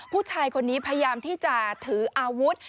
ผู้ชายคนนี้พยายามที่จะถืออาวุธ